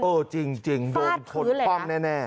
เออจริงลงผลคว่ำแน่ฟาดคือเลยค่ะ